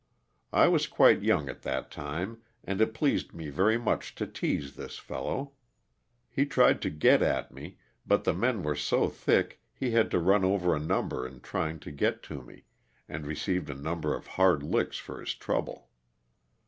I was quite young at that time, and it pleased me very much to tease this fellow. He tried to get at me, but the men were so thick he had to run over a num ber in trying to get to me, and received a number of hard licks for his trouble.